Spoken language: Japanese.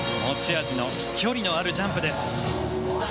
持ち味の飛距離のあるジャンプです。